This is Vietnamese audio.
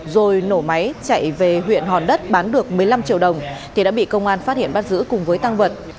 rồi nổ máy chạy về huyện hòn đất bán được một mươi năm triệu đồng thì đã bị công an phát hiện bắt giữ cùng với tăng vật